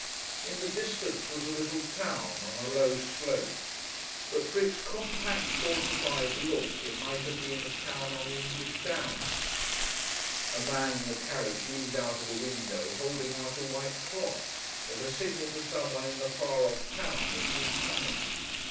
In the distance was a little town, on a low slope. But for its compact, fortified look it might have been a town on the English downs. A man in the carriage leaned out of the window holding out a white cloth, as a signal to someone in the far off town that he was coming.